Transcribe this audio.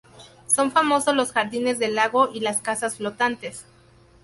Son famosos los jardines del lago y las casas flotantes.